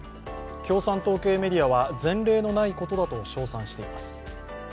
共産党系メディアは前例のないことだと称賛しています。